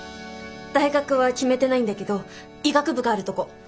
大学は決めてないんだけど医学部があるとこ。